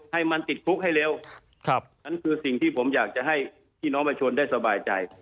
ให้มันติดคุกให้เร็วครับนั่นคือสิ่งที่ผมอยากจะให้พี่น้องประชนได้สบายใจ